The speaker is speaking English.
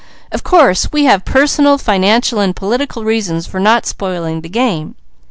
Of course we have personal, financial, and political reasons for not spoiling the game.